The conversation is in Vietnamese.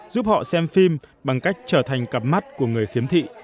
giúp họ xem phim bằng cách trở thành cặp mắt của người khiếm thị